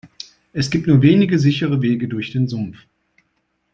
Es gibt nur wenige sichere Wege durch den Sumpf.